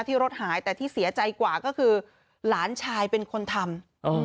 ที่รถหายแต่ที่เสียใจกว่าก็คือหลานชายเป็นคนทำ